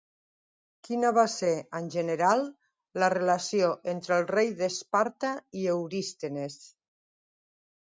Quina va ser, en general, la relació entre el rei d'Esparta i Eurístenes?